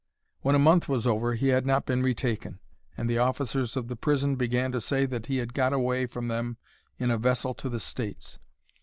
When a month was over he had not been retaken, and the officers of the prison began to say that he had got away from them in a vessel to the States.